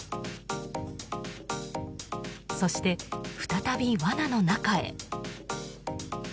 そして再び、わなの中へ。